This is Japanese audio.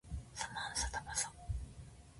サマンサタバサ